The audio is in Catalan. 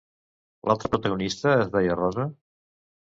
L'altra protagonista es deia Rosa?